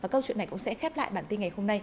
câu chuyện này cũng sẽ khép lại bản tin ngày hôm nay